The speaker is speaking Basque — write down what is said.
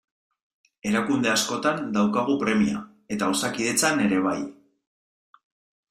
Erakunde askotan daukagu premia eta Osakidetzan ere bai.